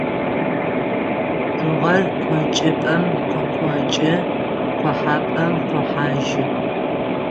Тыгъэр къокӀыпӀэм къыкъокӀы къохьапӀэм къохьажьы.